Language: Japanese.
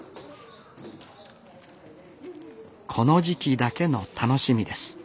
この時期だけの楽しみです